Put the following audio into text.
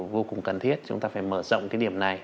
vô cùng cần thiết chúng ta phải mở rộng cái điểm này